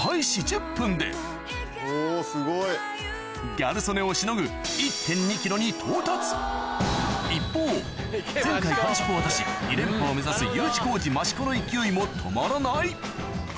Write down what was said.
ギャル曽根をしのぐに到達一方前回完食を果たし２連覇を目指すＵ字工事・益子の勢いも止まらない